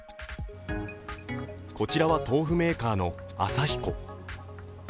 こちらは豆腐メーカーのアサヒコ。